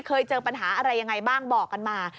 เคยเจอปัญหาอะไรยังไงบ้างบอกกันมา